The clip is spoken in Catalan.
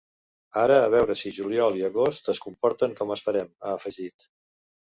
“Ara, a veure si juliol i agost es comporten com esperem”, ha afegit.